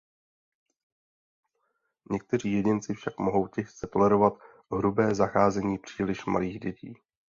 Někteří jedinci však mohou těžce tolerovat hrubé zacházení příliš malých dětí.